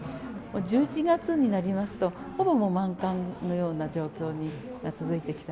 １１月になりますと、ほぼもう満館のような状況が続いてきた。